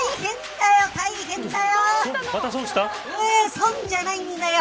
損じゃないんだよ。